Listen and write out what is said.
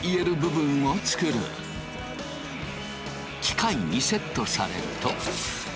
機械にセットされると。